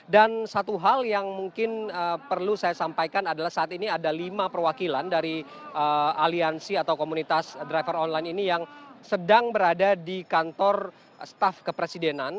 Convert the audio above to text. dan satu hal yang mungkin perlu saya sampaikan adalah saat ini ada lima perwakilan dari aliansi atau komunitas driver online ini yang sedang berada di kantor staff kepresiden